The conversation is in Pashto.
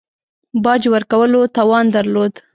باج ورکولو توان درلود.